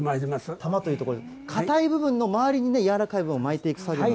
玉というと、硬い部分の周りにやわらかい部分を巻いていく作業。